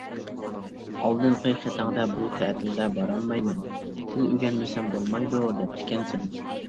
ئالدىنقى خېتىڭدە بۇ تەتىلدە بارالمايمەن، تىل ئۆگەنمىسەم بولمايدۇ، دەپتىكەنسەن.